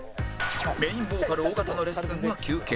メインボーカル尾形のレッスンは休憩